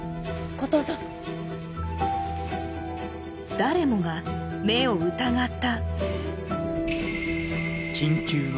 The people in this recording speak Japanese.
誰もが目を疑った。